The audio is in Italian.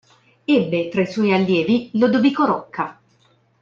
Ebbe, tra i suoi allievi, Lodovico Rocca.